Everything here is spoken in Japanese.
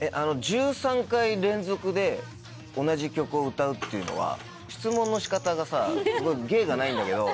１３回連続で同じ曲を歌うっていうのは質問の仕方がさすごい芸がないんだけど。